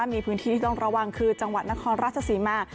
มีพื้นที่ที่ต้องระวังคือจังหวัดนครราชศรีมา